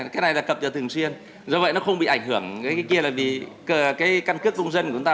cái này là cập nhật thường xuyên do vậy nó không bị ảnh hưởng kia là vì cái căn cước công dân của chúng ta